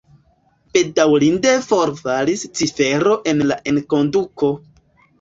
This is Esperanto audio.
Bedaŭrinde forfalis cifero en la enkonduko.